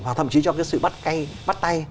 hoặc thậm chí cho cái sự bắt tay